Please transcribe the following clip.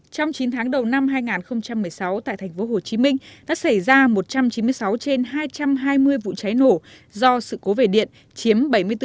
trong chín tháng đầu năm hai nghìn một mươi sáu tại thành phố hồ chí minh đã xảy ra một trăm chín mươi sáu trên hai trăm hai mươi vụ cháy nổ do sự cố vệ điện chiếm bảy mươi bốn bốn mươi chín